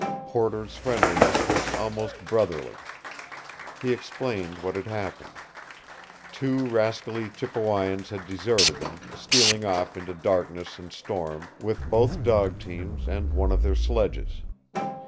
Porter's friendliness was almost brotherly. He explained what had happened. Two rascally Chippewyans had deserted them, stealing off into darkness and storm with both dog teams and one of their sledges.